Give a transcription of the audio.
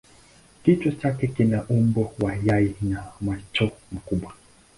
Kichwa chake kina umbo wa yai na macho makubwa.